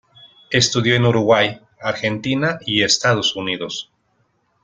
Estudió en Uruguay, Argentina y Estados Unidos.